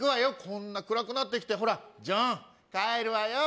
こんな暗くなってきてほらジョン帰るわよ